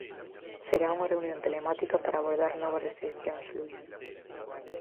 Será unha reunión telemática para abordar novas restricións, Luís...